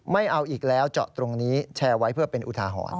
ไม่เอาอีกแล้วเจาะตรงนี้แชร์ไว้เพื่อเป็นอุทาหรณ์